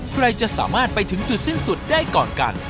ใครจะสามารถไปถึงจุดสิ้นสุดได้ก่อนกัน